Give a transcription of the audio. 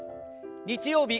日曜日